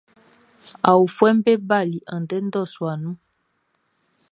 Aofuɛʼm be bali andɛ ndɔsua nun.